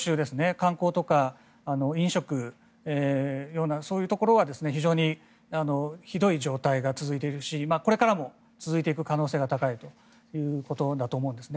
観光とか飲食とかそういうところは非常にひどい状態が続いているしこれからも続いていく可能性が高いということだと思うんです。